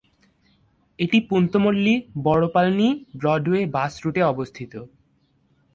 এটি পুন্তমল্লী-বড়পালনি-ব্রডওয়ে বাস রুটে অবস্থিত।